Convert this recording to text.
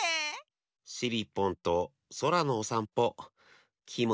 しりっぽんとそらのおさんぽきもちよかったなあ。